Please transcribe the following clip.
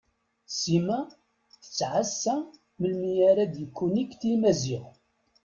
Sima tettɛassa melmi ara d-yekunikti Maziɣ.